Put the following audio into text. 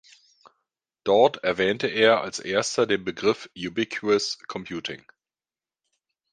Dort erwähnte er als erster den Begriff „Ubiquitous computing“.